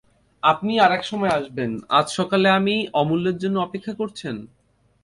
আপনি আর-এক সময় আসবেন, আজ সকালে আমি– অমূল্যের জন্যে অপেক্ষা করছেন?